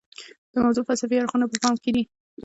د موضوع فلسفي اړخونه په پام کې دي.